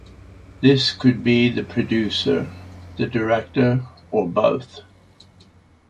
This could be the producer, the director, or both.